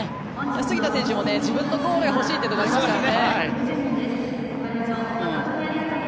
杉田選手も自分のゴールが欲しいところがありますからね。